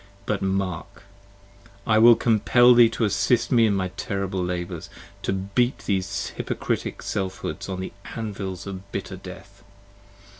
But mark, 15 I will compell thee to assist me in my terrible labours. To beat These hypocritic Selfhoods on the Anvils of bitter Death.